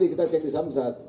kita cek di samsat